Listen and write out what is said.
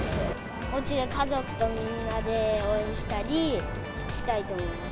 おうちで家族とみんなで応援したりしたいと思います。